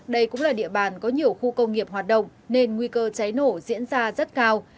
đây cũng là địa bàn có nhiều khu công nghiệp hoạt động nên nguy cơ cháy nổ diễn ra rất cao